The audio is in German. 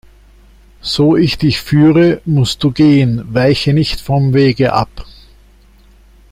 So ich dich führe, mußt du gehen, weiche nicht vom Wege ab.